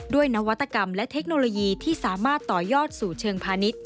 นวัตกรรมและเทคโนโลยีที่สามารถต่อยอดสู่เชิงพาณิชย์